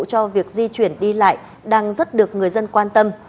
cho việc di chuyển đi lại đang rất được người dân quan tâm